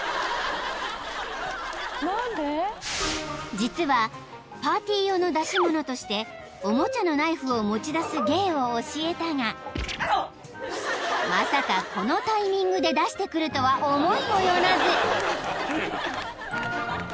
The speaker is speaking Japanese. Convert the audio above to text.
［実はパーティー用の出し物としておもちゃのナイフを持ち出す芸を教えたがまさかこのタイミングで出してくるとは思いも寄らず］